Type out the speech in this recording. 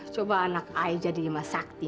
coba anak i jadi emasakti